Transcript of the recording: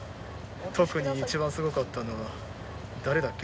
特に一番すごかったのは誰だっけ？